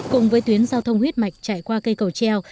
cùng với tuyến giao thông huyết mạch chạy qua cây cầu treo